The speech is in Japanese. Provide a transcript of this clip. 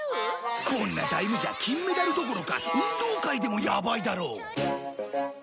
こんなタイムじゃ金メダルどころか運動会でもやばいだろ